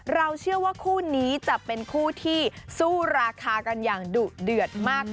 เราเชื่อว่าคู่นี้จะเป็นคู่ที่สู้ราคากันอย่างดุเดือดมาก